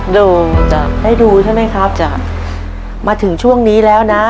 โด่งจะได้ดูใช่ไหมครับจ้ะมาถึงช่วงนี้แล้วนะ